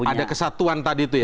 ada kesatuan tadi itu ya